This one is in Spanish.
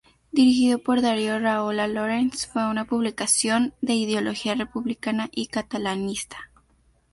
Dirigido por Darío Rahola Llorens, fue una publicación de ideología republicana y catalanista.